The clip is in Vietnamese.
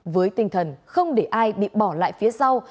với tinh thần không để ai bị bỏ lại phía sau